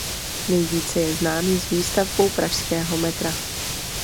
Nejvíce je známý s výstavbou pražského metra.